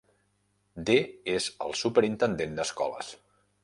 D és el superintendent d'escoles.